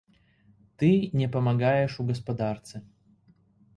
Ты не памагаеш у гаспадарцы.